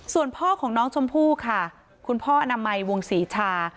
ส่วนพ่อของน้องชมพู่ค่ะคุณพ่ออนามัยวงศรีชา